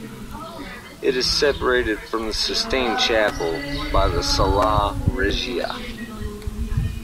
It is separated from the Sistine Chapel by the Sala Regia.